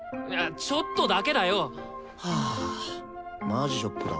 ちょっとだけだよ！はマジショックだわ。